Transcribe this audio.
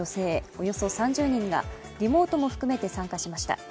およそ３０人がリモートも含めて参加しました。